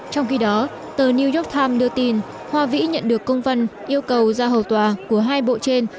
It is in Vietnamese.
trong khi đó tờ new york times đưa tin hoa vĩ nhận được công văn yêu cầu ra hầu tòa của hai bộ trên